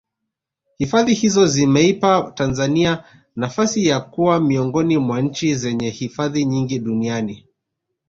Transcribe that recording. hifadhi hizo zimeipa tanzania nafasi ya kuwa miongoni mwa nchi zenye hifadhi nyingi duniani